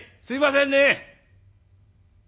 すいませんね」。